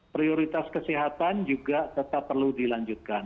prioritas kesehatan juga tetap perlu dilanjutkan